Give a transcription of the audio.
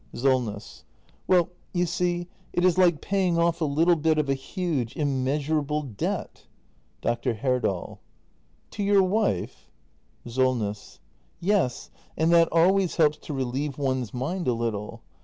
Solness. Well, you see — it is like paying off a little bit of a huge, immeasurable debt Dr. Herdal. To your wife ? Solness. Yes; and that always helps to relieve one's mind a little.